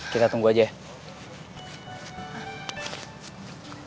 kita tunggu aja ya